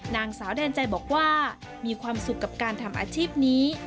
นางสาวแดนใจบอกว่ามีความสุขกับการทำอาชีพนี้